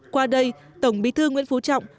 qua đây tổng bí thư nguyễn phú trọng